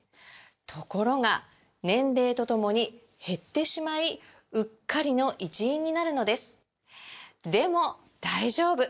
ところが年齢とともに減ってしまいうっかりの一因になるのですでも大丈夫！